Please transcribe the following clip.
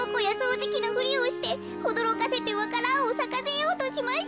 じきのふりをしておどろかせてわか蘭をさかせようとしました。